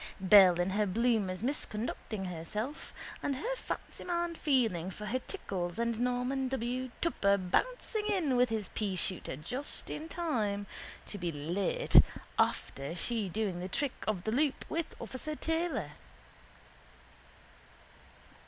Belle in her bloomers misconducting herself, and her fancyman feeling for her tickles and Norman W. Tupper bouncing in with his peashooter just in time to be late after she doing the trick of the loop with officer Taylor.